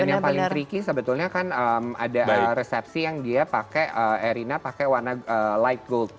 dan yang paling tricky sebetulnya kan ada resepsi yang dia pakai erina pakai warna light gold